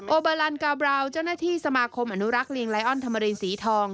เบอร์ลันกาบราวเจ้าหน้าที่สมาคมอนุรักษ์ลิงไลออนธรรมรินสีทอง